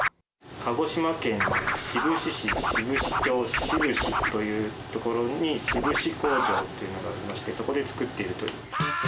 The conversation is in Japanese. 鹿児島県志布志市志布志町志布志という所に、志布志工場っていうのがありまして、そこで作っているという。